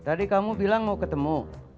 tadi kamu bilang mau ketemu